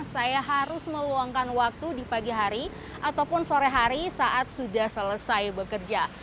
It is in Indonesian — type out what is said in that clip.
saya harus meluangkan waktu di pagi hari ataupun sore hari saat sudah selesai bekerja